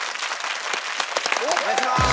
お願いします。